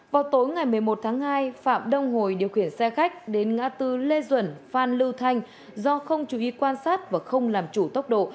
vào tối ngày một mươi một tháng hai phạm đông hồi điều khiển xe khách đến ngã tư lê duẩn phan lưu thanh do không chú ý quan sát và không làm chủ tốc độ